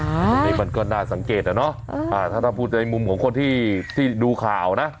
อันนี้มันก็น่าสังเกตอ่ะเนอะถ้าพูดในมุมของคนที่ดูข่าวนะ